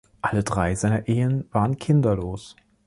Alle drei seiner Ehen waren kinderlos.